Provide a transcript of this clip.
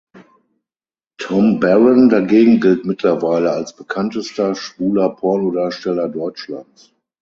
Thom Barron dagegen gilt mittlerweile als bekanntester schwuler Pornodarsteller Deutschlands.